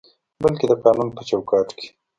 بلکې د قانون په چوکاټ کې